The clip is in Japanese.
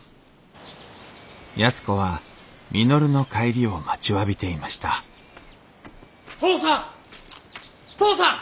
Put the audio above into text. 安子は稔の帰りを待ちわびていました・父さん！